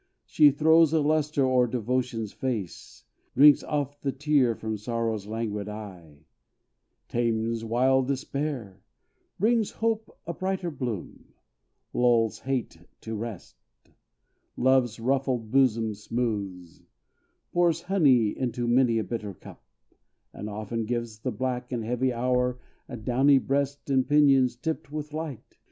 She throws a lustre o'er Devotion's face Drinks off the tear from Sorrow's languid eye Tames wild Despair brings Hope a brighter bloom Lulls Hate to rest Love's ruffled bosom smooths; Pours honey into many a bitter cup; And often gives the black and heavy hour A downy breast and pinions tipped with light.